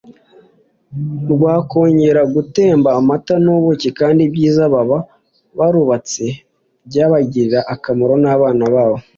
rwakongera gutemba amata n’ubuki kandi ibyiza baba barubatse byabagirira akamaro n’abana babo